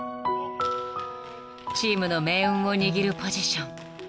［チームの命運を握るポジション］